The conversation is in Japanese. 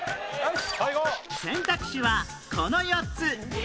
選択肢はこの４つ